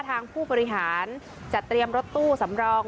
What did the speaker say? ทางผู้บริหารจัดเตรียมรถตู้สำรอง